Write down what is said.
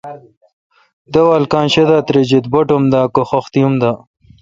داول کاں شی دا تریجیت، باٹ اُم دہ کہ خختی ام دا۔